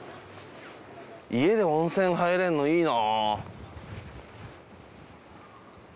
家で温泉入れるのいいな。